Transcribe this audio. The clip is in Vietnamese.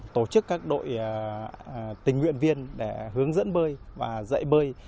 tổ chức các đội tình nguyện viên để hướng dẫn bơi và dạy bơi